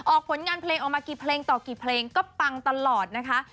ผลงานเพลงออกมากี่เพลงต่อกี่เพลงก็ปังตลอดนะคะ